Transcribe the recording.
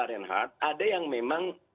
renhardt ada yang memang